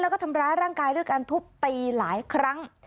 แล้วก็ทำร้ายร่างกายด้วยการทุบตีหลายครั้ง